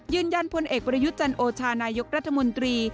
ยืนยันพลเอกบริยุทธ์จันโอชานายกรัฐมนตรี